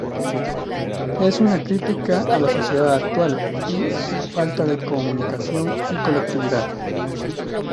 Es una crítica a la sociedad actual y su falta de comunicación y colectividad.